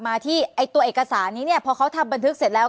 มาที่ไอ้ตัวเอกสารนี้เนี่ยพอเขาทำบันทึกเสร็จแล้ว